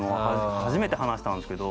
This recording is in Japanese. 初めて話したんですけど。